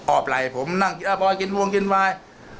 ออบไหล่ผมนั่งบ่อยกินวงกินวาย